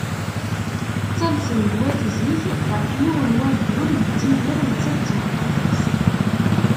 Ttalsen-d wat zik ɣef yiwen n waggur yettidir netta d tmeṭṭut-is.